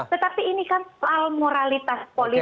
tetapi ini kan soal moralitas politik